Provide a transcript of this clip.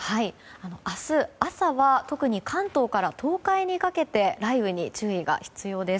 明日朝は特に関東から東海にかけて雷雨に注意が必要です。